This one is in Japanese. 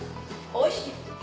おいしい。